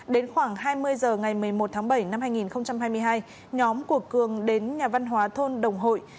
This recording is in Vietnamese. đến khoảng hai mươi h ngày một mươi một tháng bảy năm hai nghìn hai mươi hai nhóm của cường đến nhà văn hóa thôn đồng hội